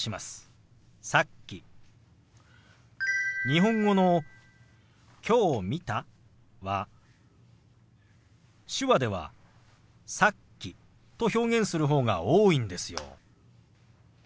日本語の「きょう見た」は手話では「さっき」と表現する方が多いんですよ。